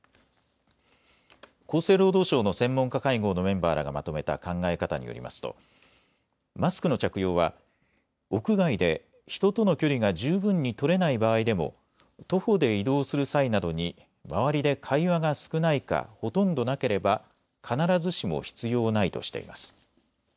厚生労働省の専門家会合のメンバーらがまとめた考え方によりますとマスクの着用は屋外で人との距離が十分に取れない場合でも徒歩で移動する際などに周りで会話が少ないかほとんどなければ必ずしも必要ないとしています。